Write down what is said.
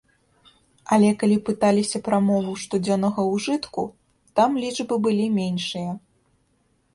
Але калі пыталіся пра мову штодзённага ўжытку, там лічбы былі меншыя.